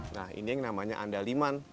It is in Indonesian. nah ini yang namanya andaliman